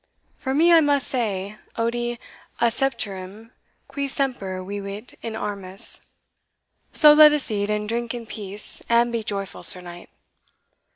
For me, I must say, Odi accipitrem qui semper vivit in armis so let us eat and drink in peace, and be joyful, Sir Knight."